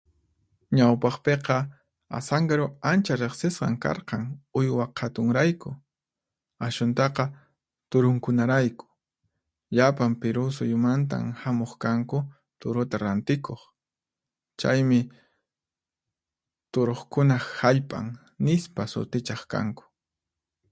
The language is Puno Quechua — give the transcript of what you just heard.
"Ñawpaqpiqa Asankaru ancha riqsisqan karqan uywa qhatunrayku, ashwantaqa turunkunarayku. Llapan Piruw suyumantan hamuq kanku turuta rantikuq. Chaymi ""Turuqkunaq Hallp'an"" nispa sutichaq kanku."